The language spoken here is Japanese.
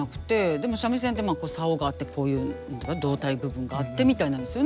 でも三味線って棹があってこういう胴体部分があってみたいなんですよね。